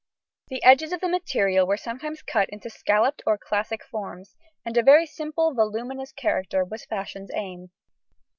The edges of the materials were sometimes cut into scalloped or classic forms, and a very simple voluminous character was fashion's aim.